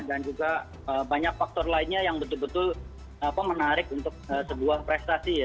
dan juga banyak faktor lainnya yang betul betul menarik untuk sebuah prestasi ya